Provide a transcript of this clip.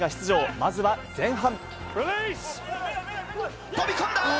まずは前半。